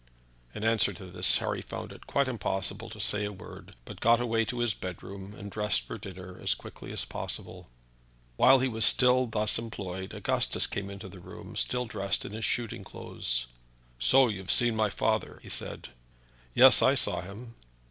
In answer to this, Harry found it quite impossible to say a word, but got away to his bedroom and dressed for dinner as quickly as possible. While he was still thus employed Augustus came into the room still dressed in his shooting clothes. "So you've seen my father," he said. "Yes, I saw him."